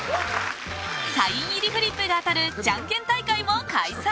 サイン入りフリップが当たるじゃんけん大会も開催。